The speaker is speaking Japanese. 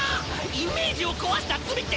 イメージを壊した罪って？